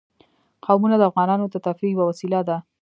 قومونه د افغانانو د تفریح یوه وسیله ده.